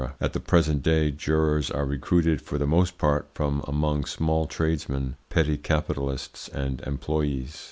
At the present day jurors are recruited for the most part from among small tradesmen, petty capitalists, and employes.